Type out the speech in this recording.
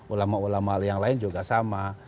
ulama ulama yang lain juga sama